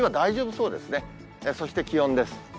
そして気温です。